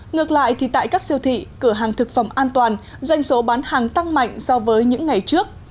ngược lại thì tại các siêu thị cửa hàng thực phẩm an toàn doanh số bán hàng tăng mạnh so với những ngày trước